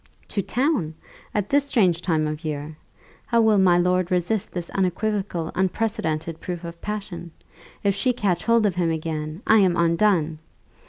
"To town! At this strange time of year! How will my lord resist this unequivocal, unprecedented proof of passion? If she catch hold of him again, I am undone.